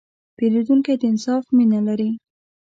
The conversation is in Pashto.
پیرودونکی د انصاف مینه لري.